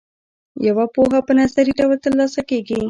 یوه پوهه په نظري ډول ترلاسه کیږي.